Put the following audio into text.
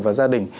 và gia đình